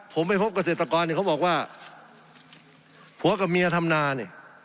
ผมไปพบเกษตรกรเนี่ยเขาบอกว่าผัวกับเมียทำนานี่